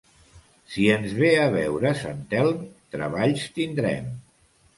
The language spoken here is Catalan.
Si ens ve a veure sant Elm, treballs tindrem.